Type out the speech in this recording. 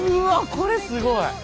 これすごい！